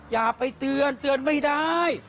อย่าไปเตือนเตือนไม่ได้